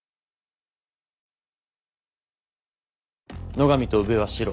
野上と宇部はシロ。